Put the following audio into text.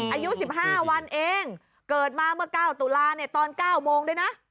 อายุ๑๕วันเองเกิดมาเมื่อ๙ตุลาเนี่ยตอน๙โมงด้วยนะ